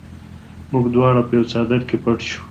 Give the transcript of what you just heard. موږ دواړه په یوه څادر کې پټ شوو